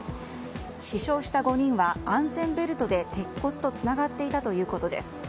死傷した５人は安全ベルトで鉄骨とつながっていたということです。